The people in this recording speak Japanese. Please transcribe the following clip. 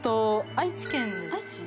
愛知県で。